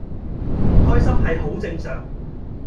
唔開心係好正常